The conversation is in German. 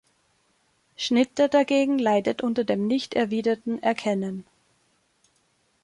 Schnitter dagegen leidet unter dem nicht erwiderten Erkennen.